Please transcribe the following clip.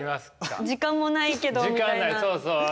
時間もないけどみたいな。